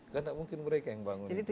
kan tidak mungkin mereka yang bangun itu